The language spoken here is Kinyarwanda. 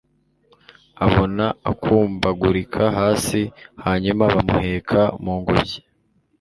abona akumbagurika hasi, hanyuma bamuheka mu ngobyi